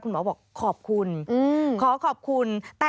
หมอบอกขอบคุณขอขอบคุณ